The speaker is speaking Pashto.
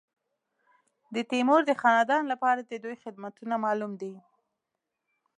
د تیمور د خاندان لپاره د دوی خدمتونه معلوم دي.